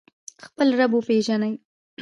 خپل رب وپیژنئ